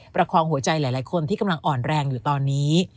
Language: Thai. ประคองหัวใจหลายคนที่กำลังอ่อนแรงอยู่ตอนนี้